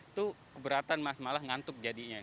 itu keberatan malah ngantuk jadinya